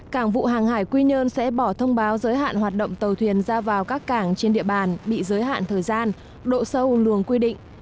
cảng vụ hàng hải quy nhơn sẽ bỏ thông báo giới hạn hoạt động tàu thuyền ra vào các cảng trên địa bàn bị giới hạn thời gian độ sâu luồng quy định